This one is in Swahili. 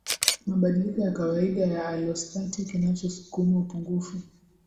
mabadiliko ya kawaida ya alostati Kinachosukuma upungufu